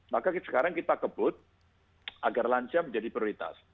maka sekarang kita kebut agar lansia menjadi prioritas